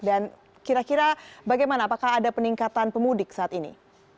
dan kira kira bagaimana apakah ada peningkatan pemudik saat ini